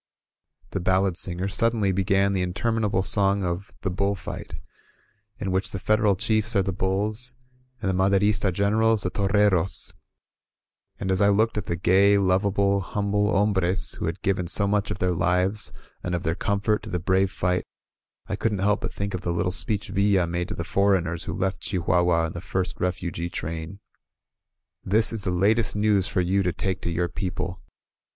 The ballad singers suddenly began the • interminable song of "The Bull Fight," in which the Federal chiefs are the bulls, and the Maderista generals the torreros; and as I looked at the gay, lovable, humble hombres who had given so much of their lives and of their com fort to the brave fight, I couldn't help but think of the little speech Villa made to the foreigners who left Chi huahua in the first refugee train: "This is the latest news for you to take to your peo ple.